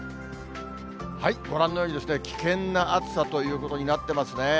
ご覧のように、危険な暑さということになってますね。